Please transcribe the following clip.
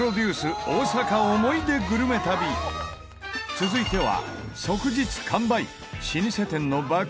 続いては。